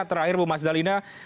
terakhir bu mas dalina